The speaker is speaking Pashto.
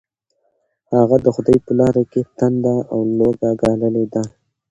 هغه د خدای په لاره کې تنده او لوږه ګاللې ده.